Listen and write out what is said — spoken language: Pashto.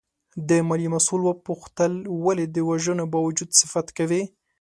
د مالیې مسوول وپوښتل ولې د وژنو باوجود صفت کوې؟